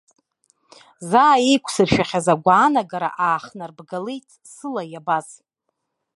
Заа еиқәсыршәахьаз агәаанагара аахнарбгалеит сыла иабаз.